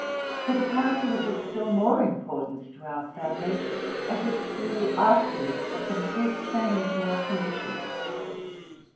Her departure was of still more importance to our family, as it drew after it a complete change in our con dition.